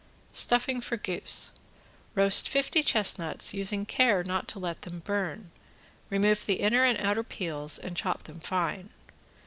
~STUFFING FOR GOOSE~ Roast fifty chestnuts, using care not to let them burn, remove the inner and outer peels and chop them fine.